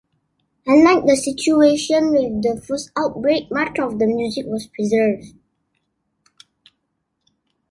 Unlike the situation with the first outbreak, much of the music was preserved.